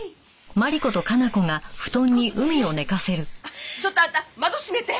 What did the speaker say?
あっちょっとあんた窓閉めて。